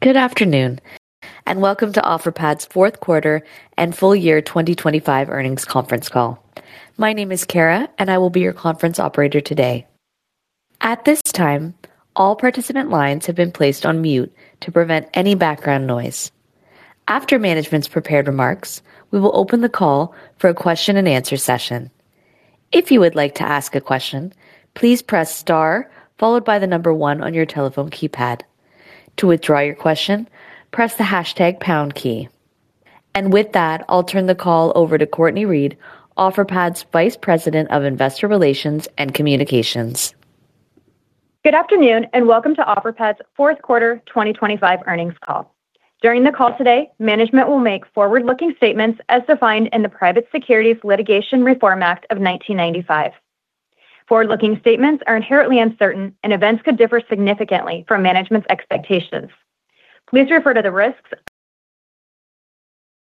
Good afternoon, welcome to Offerpad's fourth quarter and full year 2025 earnings conference call. My name is Kara, and I will be your conference operator today. At this time, all participant lines have been placed on mute to prevent any background noise. After management's prepared remarks, we will open the call for a question and answer session. If you would like to ask a question, please press star, followed by the number one on your telephone keypad. To withdraw your question, press the hashtag pound key. With that, I'll turn the call over to Cortney Read, Offerpad's Vice President of Investor Relations and Communications. Good afternoon, welcome to Offerpad's fourth quarter 2025 earnings call. During the call today, management will make forward-looking statements as defined in the Private Securities Litigation Reform Act of 1995. Forward-looking statements are inherently uncertain, and events could differ significantly from management's expectations. Please refer to the risks,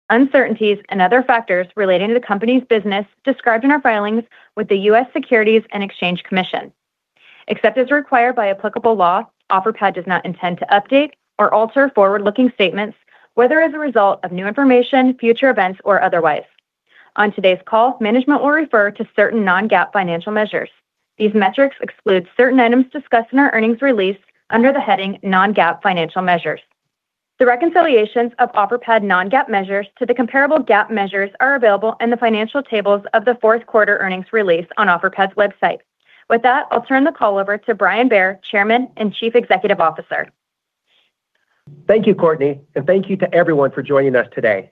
uncertainties, and other factors relating to the company's business described in our filings with the U.S. Securities and Exchange Commission. Except as required by applicable law, Offerpad does not intend to update or alter forward-looking statements, whether as a result of new information, future events, or otherwise. On today's call, management will refer to certain Non-GAAP Financial Measures. These metrics exclude certain items discussed in our earnings release under the heading Non-GAAP Financial Measures. The reconciliations of Offerpad Non-GAAP measures to the comparable GAAP measures are available in the financial tables of the fourth quarter earnings release on Offerpad's website. With that, I'll turn the call over to Brian Bair, Chairman and Chief Executive Officer. Thank you, Cortney, and thank you to everyone for joining us today.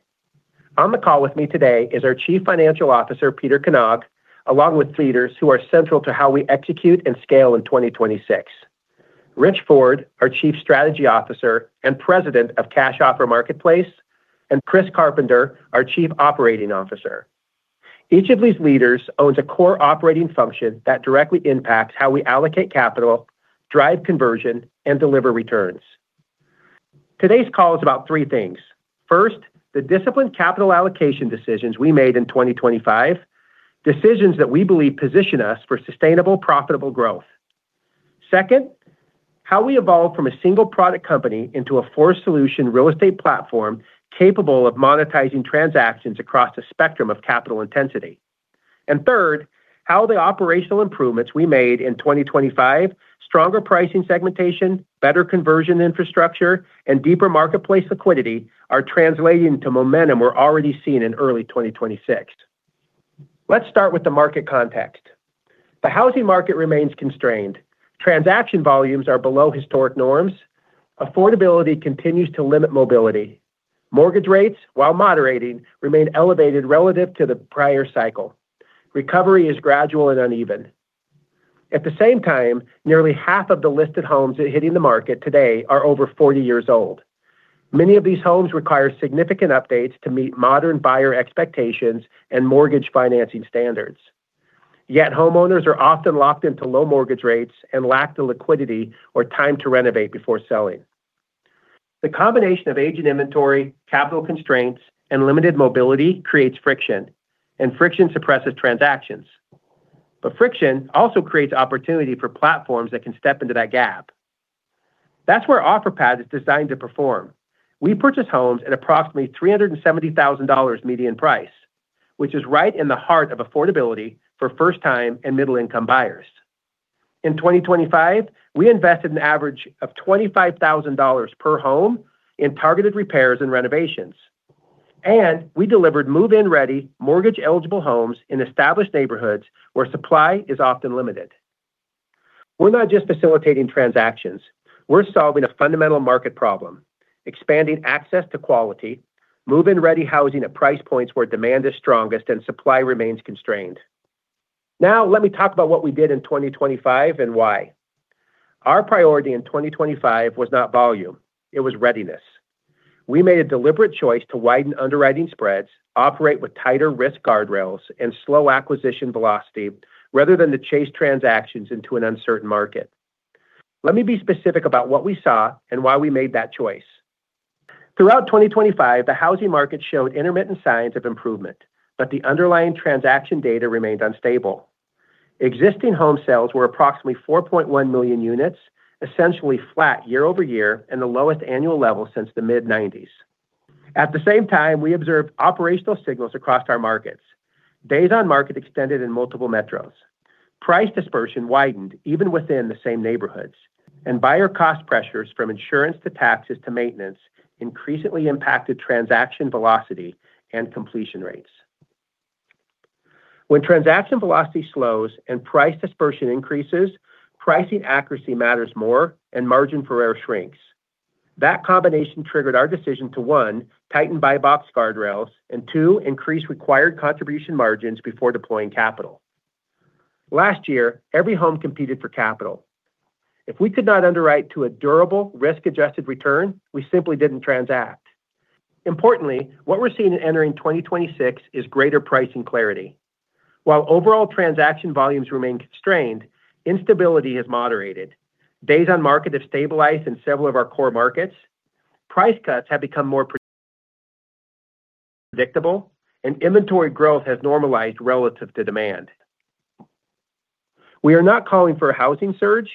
On the call with me today is our Chief Financial Officer, Peter Knag, along with leaders who are central to how we execute and scale in 2026. Rich Ford, our Chief Strategy Officer and President of Cash Offer Marketplace, and Chris Carpenter, our Chief Operating Officer. Each of these leaders owns a core operating function that directly impacts how we allocate capital, drive conversion, and deliver returns. Today's call is about three things. First, the disciplined capital allocation decisions we made in 2025, decisions that we believe position us for sustainable, profitable growth. Second, how we evolve from a single product company into a four-solution real estate platform capable of monetizing transactions across a spectrum of capital intensity. Third, how the operational improvements we made in 2025, stronger pricing segmentation, better conversion infrastructure, and deeper marketplace liquidity are translating to momentum we're already seeing in early 2026. Let's start with the market context. The housing market remains constrained. Transaction volumes are below historic norms. Affordability continues to limit mobility. Mortgage rates, while moderating, remain elevated relative to the prior cycle. Recovery is gradual and uneven. At the same time, nearly half of the listed homes hitting the market today are over 40 years old. Many of these homes require significant updates to meet modern buyer expectations and mortgage financing standards, yet homeowners are often locked into low mortgage rates and lack the liquidity or time to renovate before selling. The combination of aging inventory, capital constraints, and limited mobility creates friction, and friction suppresses transactions. Friction also creates opportunity for platforms that can step into that gap. That's where Offerpad is designed to perform. We purchase homes at approximately $370,000 median price, which is right in the heart of affordability for first-time and middle-income buyers. In 2025, we invested an average of $25,000 per home in targeted repairs and renovations, and we delivered move-in ready, mortgage-eligible homes in established neighborhoods where supply is often limited. We're not just facilitating transactions. We're solving a fundamental market problem, expanding access to quality, move-in ready housing at price points where demand is strongest and supply remains constrained. Let me talk about what we did in 2025 and why. Our priority in 2025 was not volume, it was readiness. We made a deliberate choice to widen underwriting spreads, operate with tighter risk guardrails, and slow acquisition velocity, rather than to chase transactions into an uncertain market. Let me be specific about what we saw and why we made that choice. Throughout 2025, the housing market showed intermittent signs of improvement, the underlying transaction data remained unstable. Existing home sales were approximately 4.1 million units, essentially flat year-over-year and the lowest annual level since the mid-90s. At the same time, we observed operational signals across our markets. Days on market extended in multiple metros. Price dispersion widened even within the same neighborhoods, buyer cost pressures from insurance to taxes to maintenance increasingly impacted transaction velocity and completion rates. When transaction velocity slows and price dispersion increases, pricing accuracy matters more and margin for error shrinks. That combination triggered our decision to, one, tighten buy box guardrails and, two, increase required contribution margins before deploying capital. Last year, every home competed for capital. If we could not underwrite to a durable, risk-adjusted return, we simply didn't transact. Importantly, what we're seeing in entering 2026 is greater pricing clarity. While overall transaction volumes remain constrained, instability has moderated. Days on market have stabilized in several of our core markets. Price cuts have become more predictable. Inventory growth has normalized relative to demand. We are not calling for a housing surge.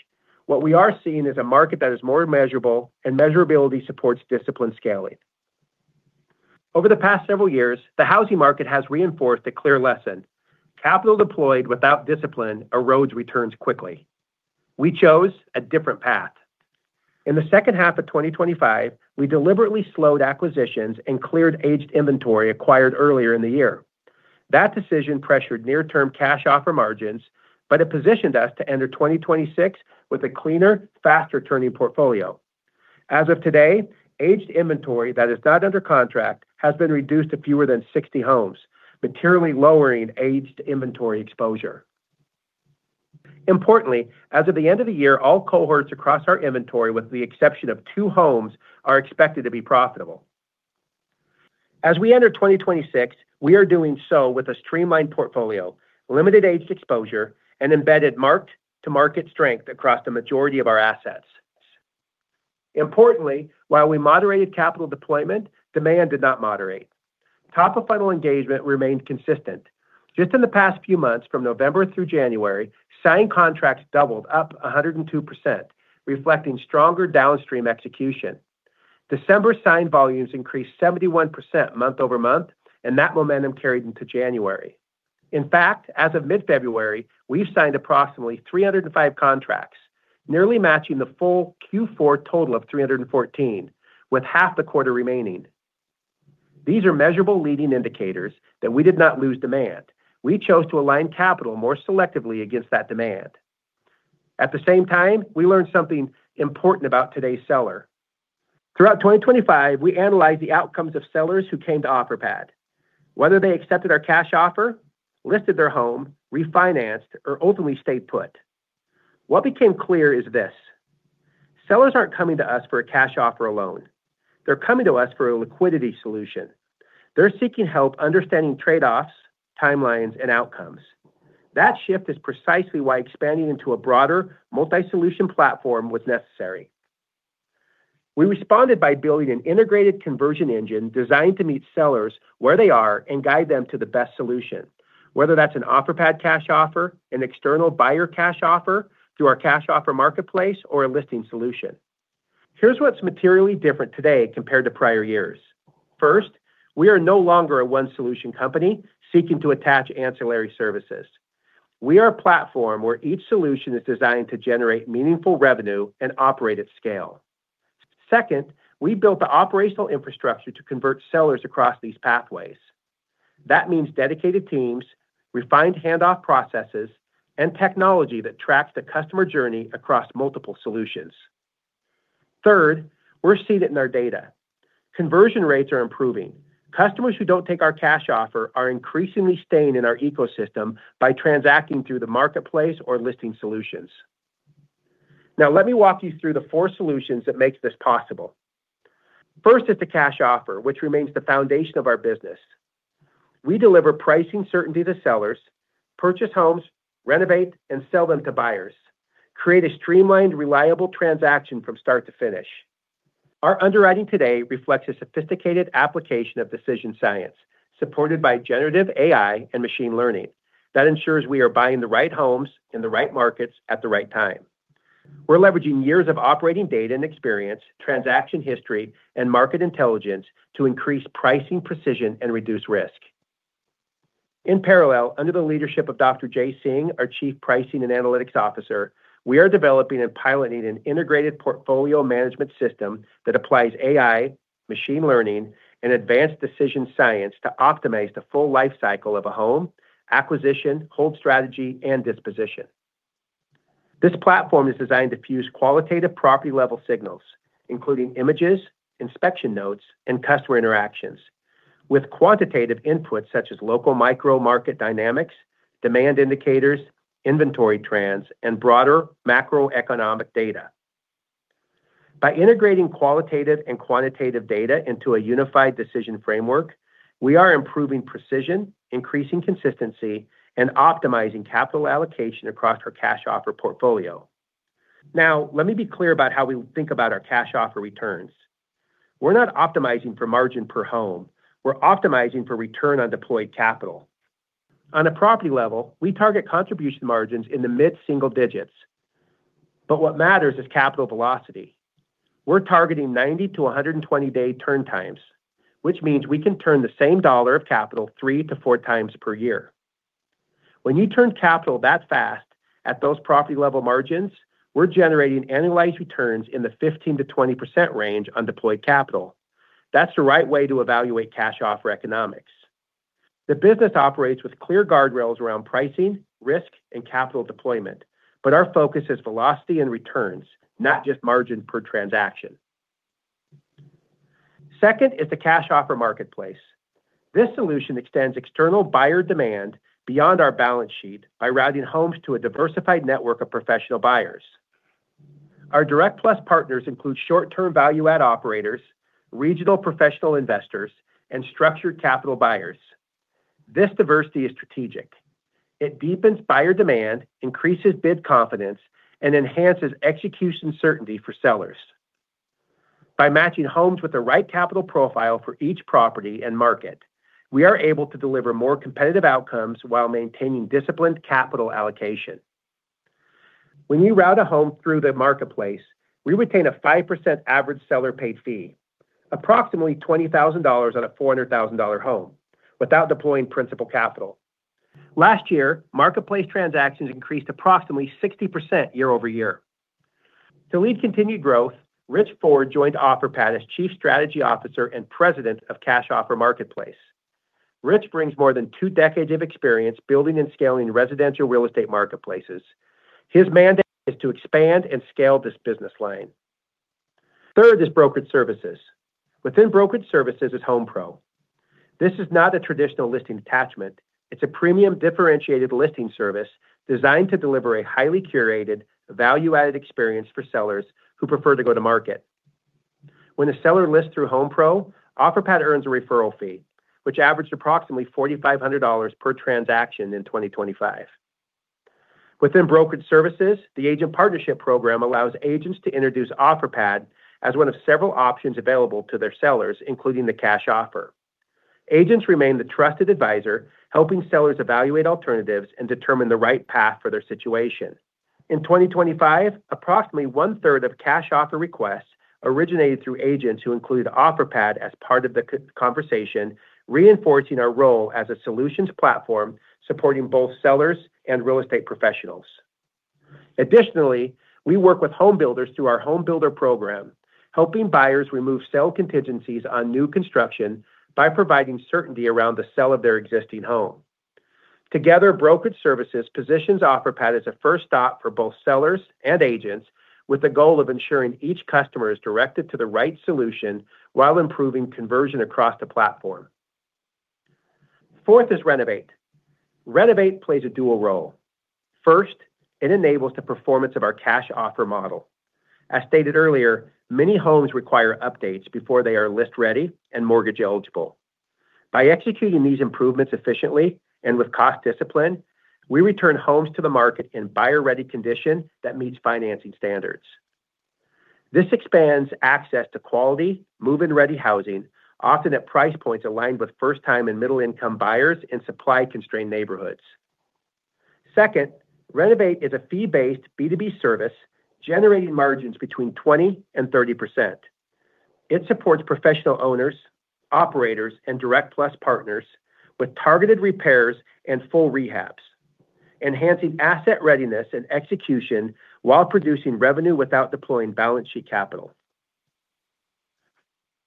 What we are seeing is a market that is more measurable. Measurability supports disciplined scaling. Over the past several years, the housing market has reinforced a clear lesson: capital deployed without discipline erodes returns quickly. We chose a different path. In the second half of 2025, we deliberately slowed acquisitions and cleared aged inventory acquired earlier in the year. That decision pressured near-term Cash Offer margins. It positioned us to enter 2026 with a cleaner, faster-turning portfolio. As of today, aged inventory that is not under contract has been reduced to fewer than 60 homes, materially lowering aged inventory exposure. Importantly, as of the end of the year, all cohorts across our inventory, with the exception of two homes, are expected to be profitable. As we enter 2026, we are doing so with a streamlined portfolio, limited aged exposure, and embedded marked-to-market strength across the majority of our assets. Importantly, while we moderated capital deployment, demand did not moderate. Top-of-funnel engagement remained consistent. Just in the past few months, from November through January, signed contracts doubled, up 102%, reflecting stronger downstream execution. December signed volumes increased 71% month-over-month. That momentum carried into January. In fact, as of mid-February, we've signed approximately 305 contracts, nearly matching the full Q4 total of 314, with half the quarter remaining. These are measurable leading indicators that we did not lose demand. We chose to align capital more selectively against that demand. At the same time, we learned something important about today's seller. Throughout 2025, we analyzed the outcomes of sellers who came to Offerpad, whether they accepted our Cash Offer, listed their home, refinanced, or ultimately stayed put. What became clear is this: sellers aren't coming to us for a Cash Offer alone. They're coming to us for a liquidity solution. They're seeking help understanding trade-offs, timelines, and outcomes. That shift is precisely why expanding into a broader multi-solution platform was necessary. We responded by building an integrated conversion engine designed to meet sellers where they are and guide them to the best solution, whether that's an Offerpad Cash Offer, an external buyer Cash Offer through our Cash Offer Marketplace, or a listing solution. Here's what's materially different today compared to prior years. First, we are no longer a one-solution company seeking to attach ancillary services. We are a platform where each solution is designed to generate meaningful revenue and operate at scale. Second, we built the operational infrastructure to convert sellers across these pathways. That means dedicated teams, refined handoff processes, and technology that tracks the customer journey across multiple solutions. Third, we're seeing it in our data. Conversion rates are improving. Customers who don't take our Cash Offer are increasingly staying in our ecosystem by transacting through the marketplace or listing solutions. Let me walk you through the four solutions that makes this possible. First is the Cash Offer, which remains the foundation of our business. We deliver pricing certainty to sellers, purchase homes, Renovate, and sell them to buyers, create a streamlined, reliable transaction from start to finish. Our underwriting today reflects a sophisticated application of decision science, supported by generative AI and machine learning. Ensures we are buying the right homes in the right markets at the right time. We're leveraging years of operating data and experience, transaction history, and market intelligence to increase pricing precision and reduce risk. In parallel, under the leadership of Dr. Jay Singh, our Chief Pricing and Analytics Officer, we are developing and piloting an integrated portfolio management system that applies AI, machine learning, and advanced decision science to optimize the full life cycle of a home, acquisition, hold strategy, and disposition. This platform is designed to fuse qualitative property-level signals, including images, inspection notes, and customer interactions, with quantitative inputs such as local micro market dynamics, demand indicators, inventory trends, and broader macroeconomic data. By integrating qualitative and quantitative data into a unified decision framework, we are improving precision, increasing consistency, and optimizing capital allocation across our Cash Offer portfolio. Let me be clear about how we think about our Cash Offer returns. We're not optimizing for margin per home; we're optimizing for return on deployed capital. On a property level, we target contribution margins in the mid-single digits, but what matters is capital velocity. We're targeting 90-120 day turn times, which means we can turn the same dollar of capital three to four times per year. When you turn capital that fast at those property-level margins, we're generating annualized returns in the 15%-20% range on deployed capital. That's the right way to evaluate Cash Offer economics. The business operates with clear guardrails around pricing, risk, and capital deployment, but our focus is velocity and returns, not just margin per transaction. Second is the Cash Offer marketplace. This solution extends external buyer demand beyond our balance sheet by routing homes to a diversified network of professional buyers. Our Direct Plus partners include short-term value add operators, regional professional investors, and structured capital buyers. This diversity is strategic. It deepens buyer demand, increases bid confidence, and enhances execution certainty for sellers. By matching homes with the right capital profile for each property and market, we are able to deliver more competitive outcomes while maintaining disciplined capital allocation. When you route a home through the marketplace, we retain a 5% average seller-paid fee, approximately $20,000 on a $400,000 home, without deploying principal capital. Last year, marketplace transactions increased approximately 60% year-over-year. To lead continued growth, Rich Ford joined Offerpad as Chief Strategy Officer and President of Cash Offer Marketplace. Rich brings more than two decades of experience building and scaling residential real estate marketplaces. His mandate is to expand and scale this business line. Third is brokerage services. Within brokerage services is HomePro. This is not a traditional listing attachment. It's a premium, differentiated listing service designed to deliver a highly curated, value-added experience for sellers who prefer to go to market. When a seller lists through HomePro, Offerpad earns a referral fee, which averaged approximately $4,500 per transaction in 2025. Within brokerage services, the agent partnership program allows agents to introduce Offerpad as one of several options available to their sellers, including the Cash Offer. Agents remain the trusted advisor, helping sellers evaluate alternatives and determine the right path for their situation. In 2025, approximately one-third of Cash Offer requests originated through agents who included Offerpad as part of the conversation, reinforcing our role as a solutions platform, supporting both sellers and real estate professionals. Additionally, we work with home builders through our home builder program, helping buyers remove sale contingencies on new construction by providing certainty around the sale of their existing home. Together, brokerage services positions Offerpad as a first stop for both sellers and agents, with the goal of ensuring each customer is directed to the right solution while improving conversion across the platform. Fourth is Renovate. Renovate plays a dual role. First, it enables the performance of our Cash Offer model. As stated earlier, many homes require updates before they are list-ready and mortgage-eligible. By executing these improvements efficiently and with cost discipline, we return homes to the market in buyer-ready condition that meets financing standards. This expands access to quality, move-in-ready housing, often at price points aligned with first-time and middle-income buyers in supply-constrained neighborhoods. Second, Renovate is a fee-based B2B service, generating margins between 20% and 30%. It supports professional owners, operators, and Direct Plus partners with targeted repairs and full rehabs, enhancing asset readiness and execution while producing revenue without deploying balance sheet capital.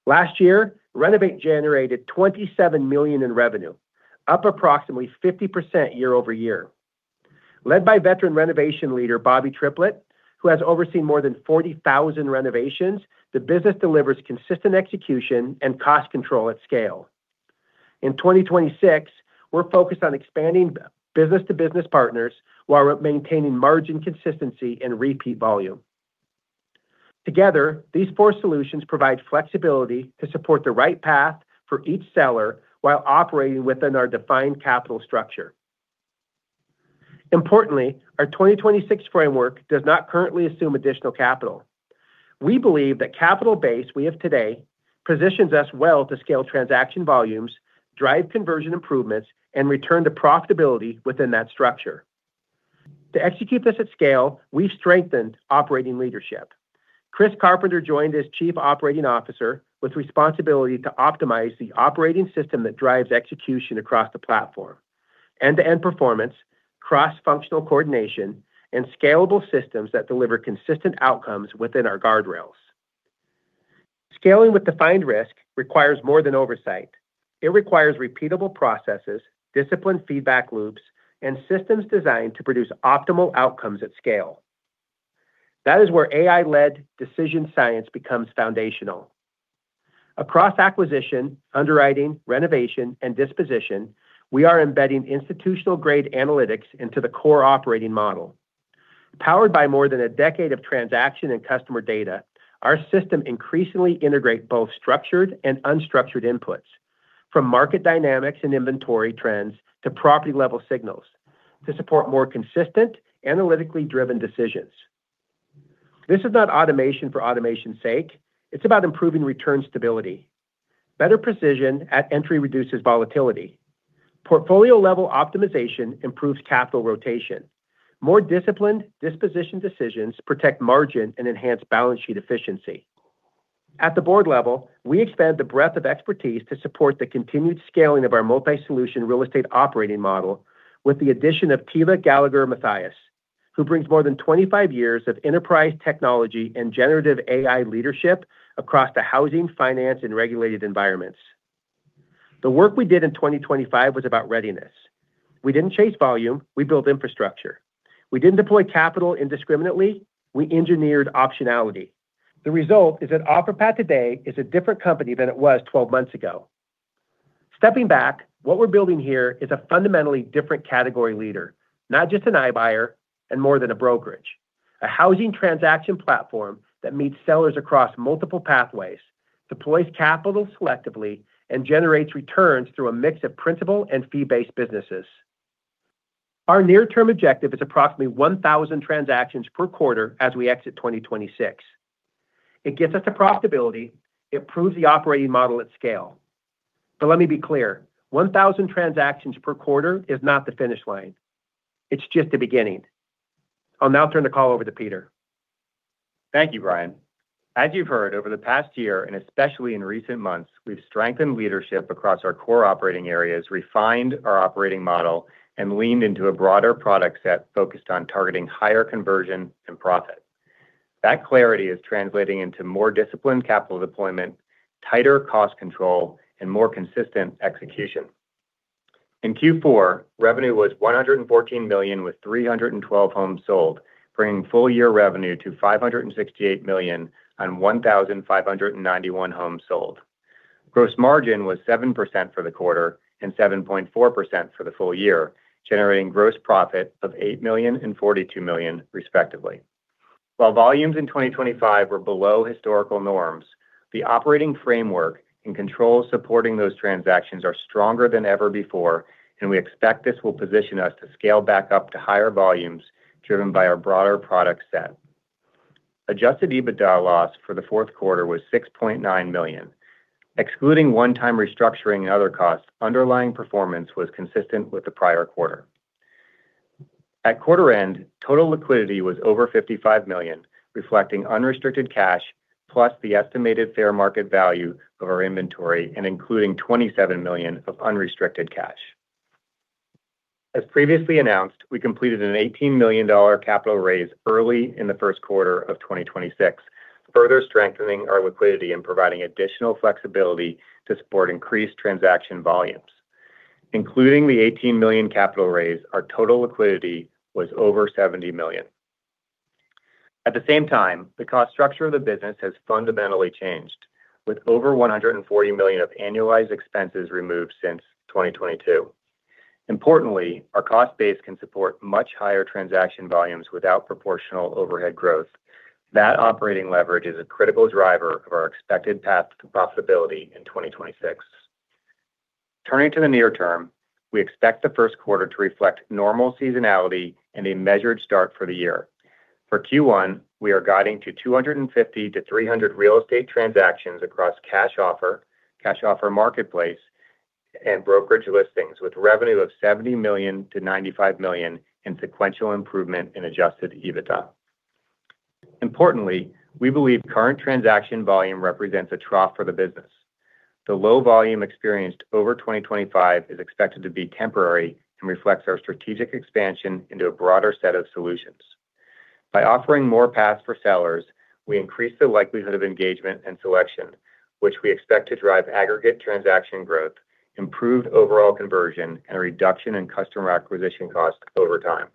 Last year, Renovate generated $27 million in revenue, up approximately 50% year-over-year. Led by veteran renovation leader Bobby Triplett, who has overseen more than 40,000 renovations, the business delivers consistent execution and cost control at scale. In 2026, we're focused on expanding business-to-business partners while maintaining margin consistency and repeat volume. Together, these four solutions provide flexibility to support the right path for each seller while operating within our defined capital structure. Importantly, our 2026 framework does not currently assume additional capital. We believe the capital base we have today positions us well to scale transaction volumes, drive conversion improvements, and return to profitability within that structure. To execute this at scale, we've strengthened operating leadership. Chris Carpenter joined as Chief Operating Officer with responsibility to optimize the operating system that drives execution across the platform, end-to-end performance, cross-functional coordination, and scalable systems that deliver consistent outcomes within our guardrails. Scaling with defined risk requires more than oversight. It requires repeatable processes, disciplined feedback loops, and systems designed to produce optimal outcomes at scale. That is where AI-led decision science becomes foundational. Across acquisition, underwriting, renovation, and disposition, we are embedding institutional-grade analytics into the core operating model. Powered by more than a decade of transaction and customer data, our system increasingly integrate both structured and unstructured inputs, from market dynamics and inventory trends to property-level signals, to support more consistent, analytically driven decisions. This is not automation for automation's sake, it's about improving return stability. Better precision at entry reduces volatility. Portfolio-level optimization improves capital rotation. More disciplined disposition decisions protect margin and enhance balance sheet efficiency. At the board level, we expand the breadth of expertise to support the continued scaling of our multi-solution real estate operating model with the addition of Tela Gallagher Mathias, who brings more than 25 years of enterprise technology and generative AI leadership across the housing, finance, and regulated environments. The work we did in 2025 was about readiness. We didn't chase volume, we built infrastructure. We didn't deploy capital indiscriminately, we engineered optionality. The result is that Offerpad today is a different company than it was 12 months ago. Stepping back, what we're building here is a fundamentally different category leader, not just an iBuyer, and more than a brokerage. A housing transaction platform that meets sellers across multiple pathways, deploys capital selectively, and generates returns through a mix of principal and fee-based businesses. Our near-term objective is approximately 1,000 transactions per quarter as we exit 2026. It gets us to profitability, it proves the operating model at scale. Let me be clear, 1,000 transactions per quarter is not the finish line. It's just the beginning. I'll now turn the call over to Peter. Thank you, Brian. As you've heard, over the past year, and especially in recent months, we've strengthened leadership across our core operating areas, refined our operating model, and leaned into a broader product set focused on targeting higher conversion and profit. That clarity is translating into more disciplined capital deployment, tighter cost control, and more consistent execution. In Q4, revenue was $114 million, with 312 homes sold, bringing full-year revenue to $568 million on 1,591 homes sold. Gross margin was 7% for the quarter and 7.4% for the full year, generating gross profit of $8 million and $42 million, respectively. While volumes in 2025 were below historical norms, the operating framework and controls supporting those transactions are stronger than ever before, we expect this will position us to scale back up to higher volumes, driven by our broader product set. Adjusted EBITDA loss for the fourth quarter was $6.9 million. Excluding one-time restructuring and other costs, underlying performance was consistent with the prior quarter. At quarter end, total liquidity was over $55 million, reflecting unrestricted cash, plus the estimated fair market value of our inventory and including $27 million of unrestricted cash. As previously announced, we completed an $18 million capital raise early in the first quarter of 2026, further strengthening our liquidity and providing additional flexibility to support increased transaction volumes. Including the $18 million capital raise, our total liquidity was over $70 million. At the same time, the cost structure of the business has fundamentally changed, with over $140 million of annualized expenses removed since 2022. Importantly, our cost base can support much higher transaction volumes without proportional overhead growth. That operating leverage is a critical driver of our expected path to profitability in 2026. Turning to the near term, we expect the first quarter to reflect normal seasonality and a measured start for the year. For Q1, we are guiding to 250-300 real estate transactions across Cash Offer, Cash Offer marketplace, and brokerage listings, with revenue of $70 million-$95 million in sequential improvement in Adjusted EBITDA. Importantly, we believe current transaction volume represents a trough for the business. The low volume experienced over 2025 is expected to be temporary and reflects our strategic expansion into a broader set of solutions. By offering more paths for sellers, we increase the likelihood of engagement and selection, which we expect to drive aggregate transaction growth, improved overall conversion, and a reduction in customer acquisition costs over time.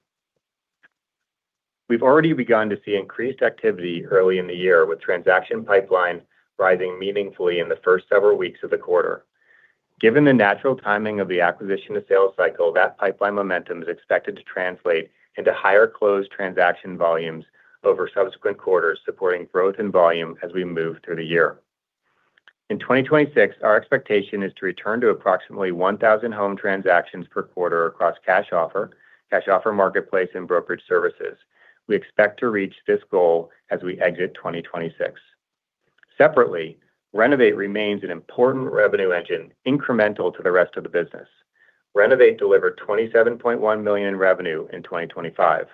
We've already begun to see increased activity early in the year, with transaction pipeline rising meaningfully in the first several weeks of the quarter. Given the natural timing of the acquisition to sales cycle, that pipeline momentum is expected to translate into higher closed transaction volumes over subsequent quarters, supporting growth and volume as we move through the year. In 2026, our expectation is to return to approximately 1,000 home transactions per quarter across Cash Offer, Cash Offer Marketplace, and brokerage services. We expect to reach this goal as we exit 2026. Separately, Renovate remains an important revenue engine, incremental to the rest of the business. Renovate delivered $27.1 million in revenue in 2025.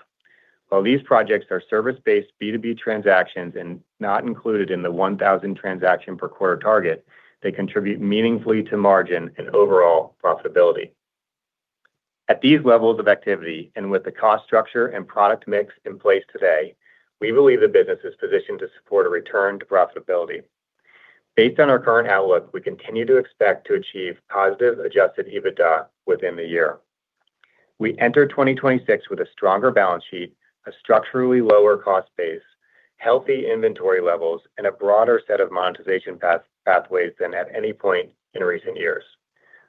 While these projects are service-based B2B transactions and not included in the 1,000 transaction per quarter target, they contribute meaningfully to margin and overall profitability. At these levels of activity, and with the cost structure and product mix in place today, we believe the business is positioned to support a return to profitability. Based on our current outlook, we continue to expect to achieve positive Adjusted EBITDA within the year. We enter 2026 with a stronger balance sheet, a structurally lower cost base, healthy inventory levels, and a broader set of monetization pathways than at any point in recent years.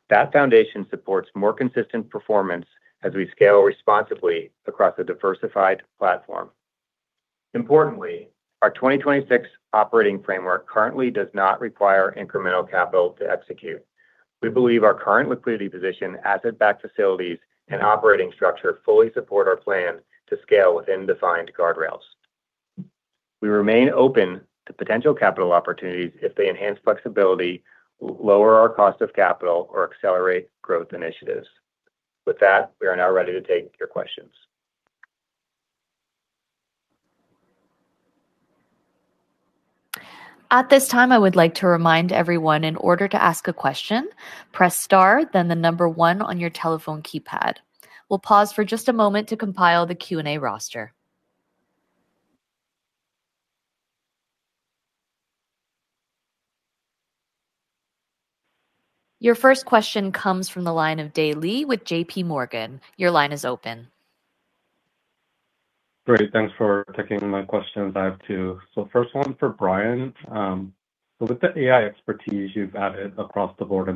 That foundation supports more consistent performance as we scale responsibly across a diversified platform. Importantly, our 2026 operating framework currently does not require incremental capital to execute. We believe our current liquidity position, asset-backed facilities, and operating structure fully support our plan to scale within defined guardrails. We remain open to potential capital opportunities if they enhance flexibility, lower our cost of capital, or accelerate growth initiatives. With that, we are now ready to take your questions. At this time, I would like to remind everyone, in order to ask a question, press star, then the number one on your telephone keypad. We'll pause for just a moment to compile the Q&A roster. Your first question comes from the line of Dae Lee with J.P. Morgan. Your line is open. Great, thanks for taking my questions. I have two. First one for Brian. With the AI expertise you've added across the board,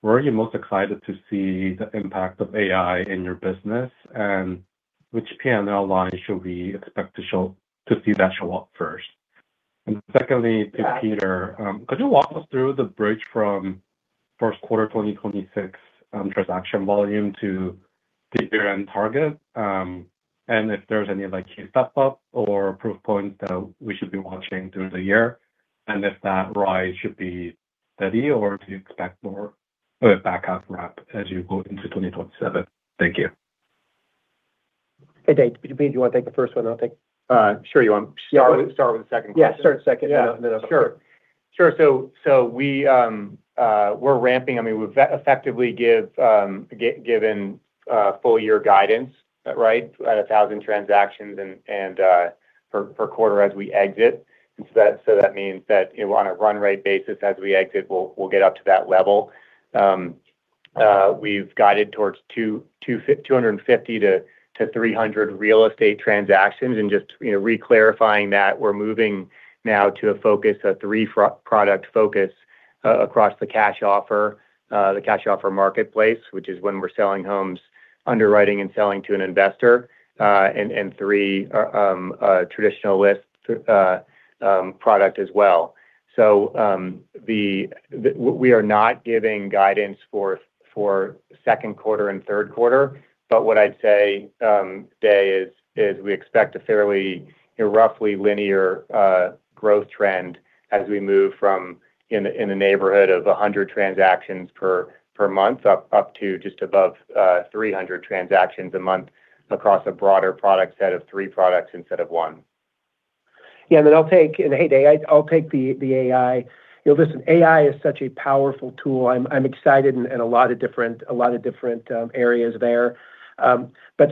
where are you most excited to see the impact of AI in your business, and which PNL line should we expect to see that show up first? Secondly, to Peter, could you walk us through the bridge from first quarter 2026 transaction volume to the year-end target? If there's any, like, key step up or proof points that we should be watching during the year, and if that rise should be steady, or do you expect more of a back out ramp as you go into 2027? Thank you. Hey, Dae, do you want to take the first one, and I'll take-? Sure, you want start with, start with the second question. Yeah, start second. Yeah, sure. Sure. So we're ramping. I mean, we've effectively given full year guidance, right, at 1,000 transactions and per quarter as we exit. So that, so that means that, you know, on a run rate basis as we exit, we'll get up to that level. We've guided towards 250-300 real estate transactions. Just, you know, reclarifying that we're moving now to a focus, a three product focus across the Cash Offer, the Cash Offer marketplace, which is when we're selling homes, underwriting and selling to an investor, and three traditional list product as well. We are not giving guidance for second quarter and third quarter, but what I'd say, Dae, is we expect a fairly, you know, roughly linear, growth trend as we move from in the neighborhood of 100 transactions per month, up to just above, 300 transactions a month across a broader product set of three products instead of one. Yeah, and then I'll take. And hey, Dae, I, I'll take the, the AI. You know, listen, AI is such a powerful tool. I'm, I'm excited and a lot of different, a lot of different, areas there.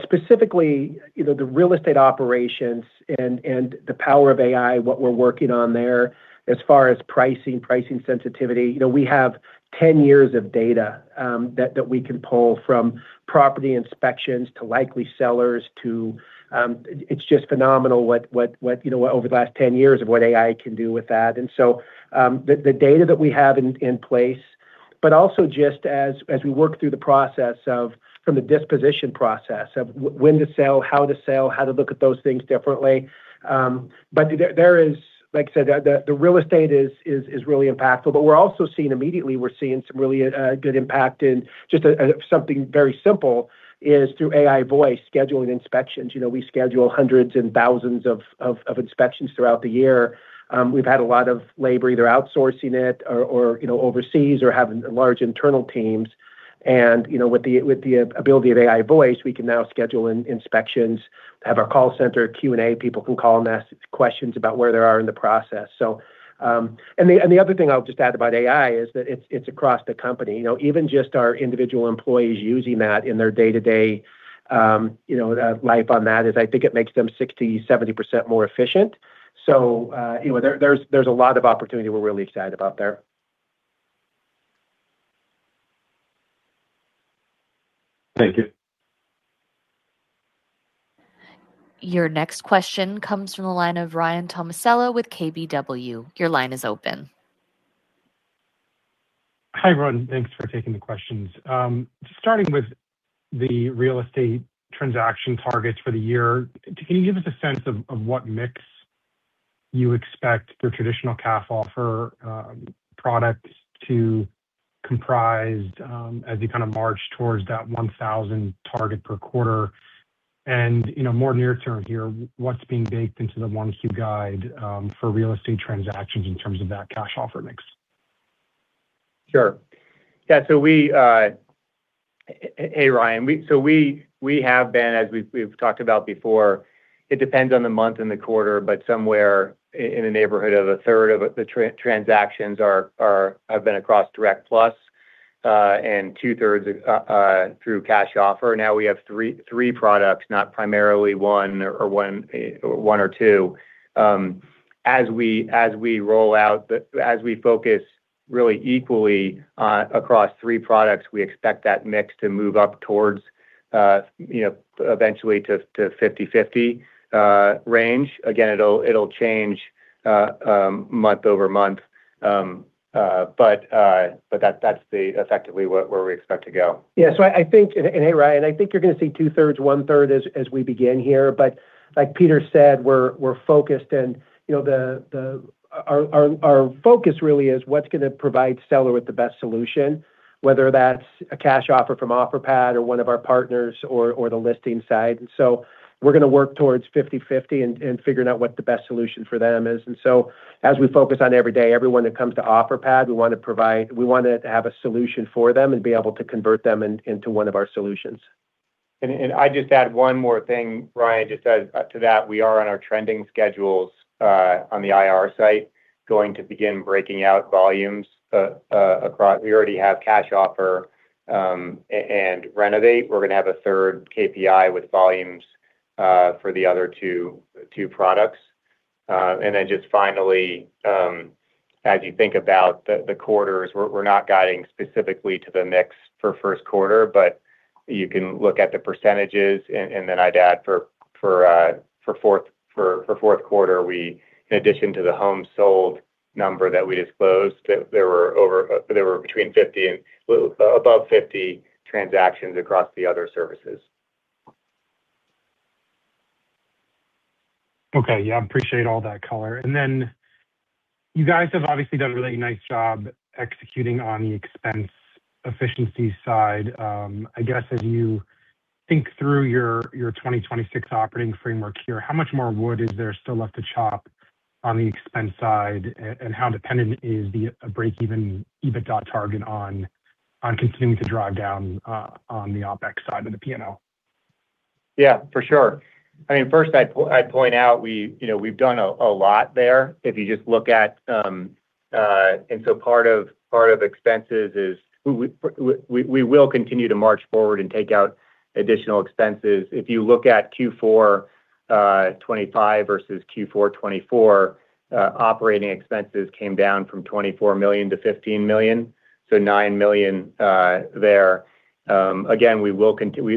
Specifically, you know, the real estate operations and, and the power of AI, what we're working on there as far as pricing, pricing sensitivity, you know, we have 10 years of data, that, that we can pull from property inspections to likely sellers to. It's just phenomenal what, what, what, what, you know, over the last 10 years of what AI can do with that. So, the, the data that we have in, in place, but also just as, as we work through the process of-- from the disposition process of when to sell, how to sell, how to look at those things differently. But there, there is like I said, the, the, the real estate is, is, is really impactful, but we're also seeing immediately, we're seeing some really good impact in just something very simple is through AI voice scheduling inspections. You know, we schedule hundreds and thousands of inspections throughout the year. We've had a lot of labor, either outsourcing it or, you know, overseas or having large internal teams. You know, with the ability of AI voice, we can now schedule in inspections, have our call center Q&A, people can call and ask questions about where they are in the process. The other thing I'll just add about AI is that it's, it's across the company. You know, even just our individual employees using that in their day-to-day, you know, life on that, is I think it makes them 60%, 70% more efficient. You know, there, there's, there's a lot of opportunity we're really excited about there. Thank you. Your next question comes from the line of Ryan Tomasello with KBW. Your line is open. Hi, everyone. Thanks for taking the questions. Starting with the real estate transaction targets for the year, can you give us a sense of, of what mix you expect the traditional Cash Offer products to comprise, as you kind of march towards that 1,000 target per quarter? You know, more near term here, what's being baked into the 1Q guide, for real estate transactions in terms of that Cash Offer mix? Sure. Yeah, we, Hey, Ryan. We, we have been, as we've, we've talked about before, it depends on the month and the quarter, but somewhere in the neighborhood of a third of the transactions have been across Direct Plus, and two-thirds through Cash Offer. Now, we have three, three products, not primarily one or two. As we, as we focus really equally across three products, we expect that mix to move up towards, you know, eventually to, to 50/50 range. Again, it'll, it'll change month-over-month. But that, that's the effectively where, where we expect to go. Yeah. I, I think. Hey, Ryan, I think you're going to see 2/3, 1/3 as, as we begin here, but like Peter Knag said, we're, we're focused and, you know, our, our, our focus really is what's going to provide seller with the best solution, whether that's a Cash Offer from Offerpad or one of our partners or, or the listing side. We're going to work towards 50/50 and, and figuring out what the best solution for them is. As we focus on every day, everyone that comes to Offerpad, we want to have a solution for them and be able to convert them in, into one of our solutions. I just add one more thing, Ryan, just as to that, we are on our trending schedules on the IR site, going to begin breaking out volumes across. We already have Cash Offer and Renovate. We're going to have a third KPI with volumes for the other two, two products. Then just finally, as you think about the quarters, we're not guiding specifically to the mix for first quarter, but you can look at the percentages, and then I'd add for, for fourth quarter, in addition to the home sold number that we disclosed, there were between 50 and above 50 transactions across the other services. Okay. Yeah, I appreciate all that color. Then you guys have obviously done a really nice job executing on the expense efficiency side. I guess as you think through your 2026 operating framework here, how much more wood is there still left to chop on the expense side? How dependent is the break-even EBITDA target on continuing to drive down on the OpEx side of the P&L? Yeah, for sure. I mean, first, I point, I'd point out we, you know, we've done a, a lot there. If you just look at, part of, part of expenses is we, we, we, we will continue to march forward and take out additional expenses. If you look at Q4 2025 versus Q4 2024, operating expenses came down from $24 million to $15 million, so $9 million there. Again,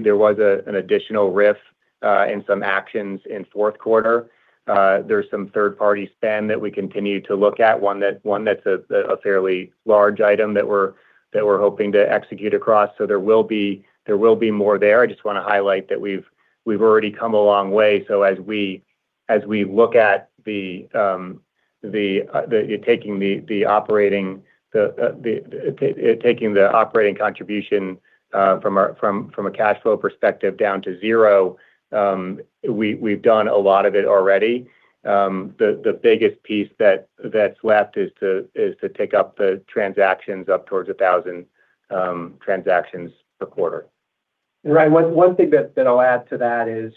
there was a, an additional RIF, and some actions in fourth quarter. There's some third-party spend that we continue to look at, one that, one that's a, a fairly large item that we're, that we're hoping to execute across. There will be, there will be more there. I just want to highlight that we've, we've already come a long way, so as we, as we look at the, the taking the, the operating, the, the taking the operating contribution, from a cash flow perspective down to zero, we, we've done a lot of it already. The, the biggest piece that, that's left is to, is to take up the transactions up towards 1,000, transactions per quarter. Right. One, one thing that, that I'll add to that is,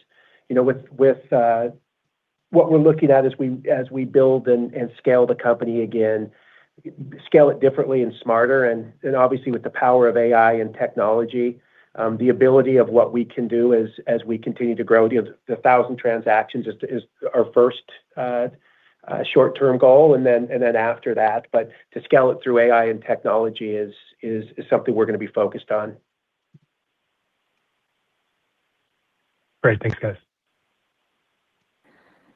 you know, with, with what we're looking at as we, as we build and, and scale the company again, scale it differently and smarter, and, and obviously with the power of AI and technology, the ability of what we can do as, as we continue to grow. You know, the 1,000 transactions is our first short-term goal, and then, and then after that. To scale it through AI and technology is, is, is something we're going to be focused on. Great. Thanks, guys.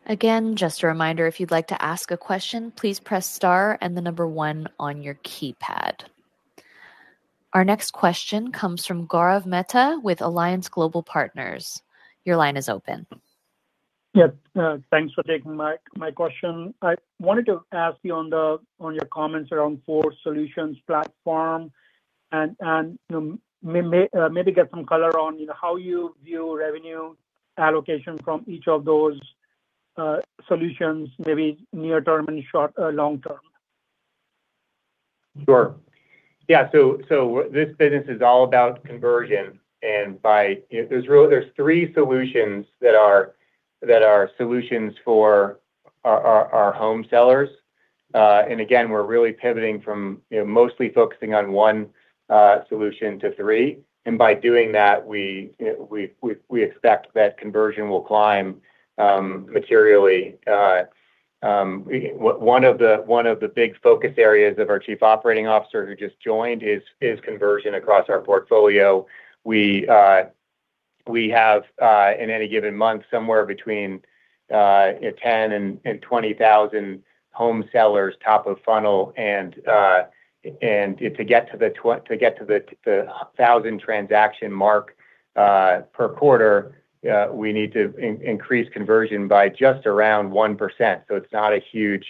Again, just a reminder, if you'd like to ask a question, please press star and the number one on your keypad. Our next question comes from Gaurav Mehta with Alliance Global Partners. Your line is open. Yeah, thanks for taking my, my question. I wanted to ask you on your comments around 4 solutions platform and, and, you know, may, maybe get some color on, you know, how you view revenue allocation from each of those solutions, maybe near term and short, long term? Sure. Yeah, so, so this business is all about conversion. There's three solutions that are, that are solutions for our, our, our home sellers. Again, we're really pivoting from, you know, mostly focusing on one solution to three, and by doing that, we, we, we expect that conversion will climb materially. One of the, one of the big focus areas of our Chief Operating Officer who just joined is, is conversion across our portfolio. We have in any given month, somewhere between 10 and 20,000 home sellers top of funnel. To get to the to get to the 1,000 transaction mark per quarter, we need to increase conversion by just around 1%. It's not a huge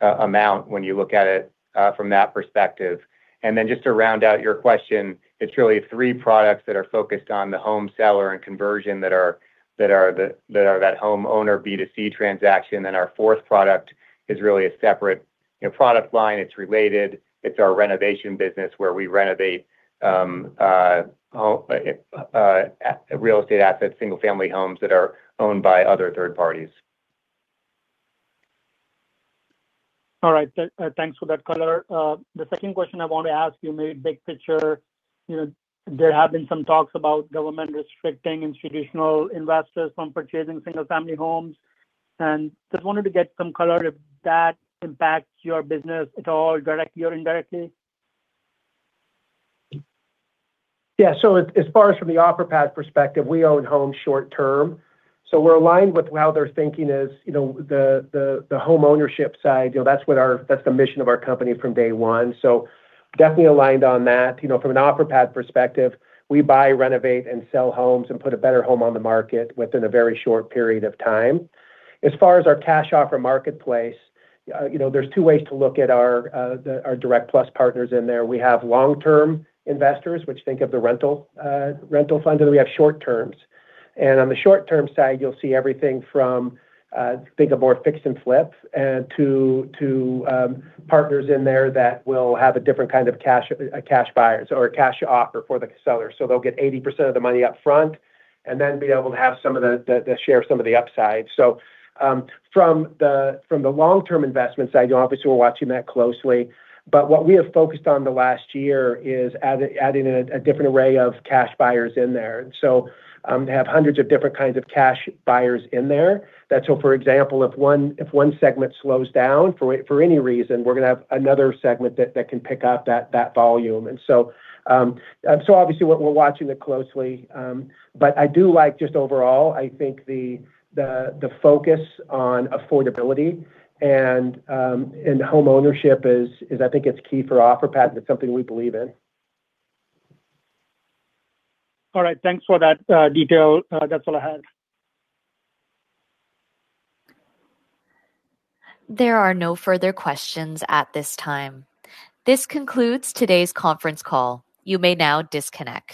amount when you look at it from that perspective. Just to round out your question, it's really three products that are focused on the home seller and conversion that are, that are the, that are that homeowner B2C transaction. Our fourth product is really a separate, you know, product line. It's related. It's our renovation business, where we renovate real estate assets, single-family homes that are owned by other third parties. All right. Thanks for that color. The second question I want to ask you, maybe big picture, you know, there have been some talks about government restricting institutional investors from purchasing single-family homes. Just wanted to get some color if that impacts your business at all, directly or indirectly. Yeah. As, as far as from the Offerpad perspective, we own homes short term, so we're aligned with how they're thinking is, you know, the, the, the homeownership side, you know, that's what our-- that's the mission of our company from day one. Definitely aligned on that. You know, from an Offerpad perspective, we buy, renovate, and sell homes and put a better home on the market within a very short period of time. As far as our Cash Offer Marketplace, you know, there's two ways to look at our, the, our Direct Plus partners in there. We have long-term investors, which think of the rental, rental fund, and we have short terms. On the short-term side, you'll see everything from, think of more fix and flips, to, to partners in there that will have a different kind of cash, cash buyers or a cash offer for the seller. They'll get 80% of the money up front and then be able to have some of the, the, the share, some of the upside. From the, from the long-term investment side, obviously, we're watching that closely, but what we have focused on the last year is adding a different array of cash buyers in there. To have hundreds of different kinds of cash buyers in there, for example, if one, if one segment slows down for any reason, we're going to have another segment that can pick up that volume. So, so obviously, we're, we're watching it closely. I do like just overall, I think the, the, the focus on affordability and, and homeownership is, is I think it's key for Offerpad, and it's something we believe in. All right. Thanks for that, detail. That's all I have. There are no further questions at this time. This concludes today's conference call. You may now disconnect.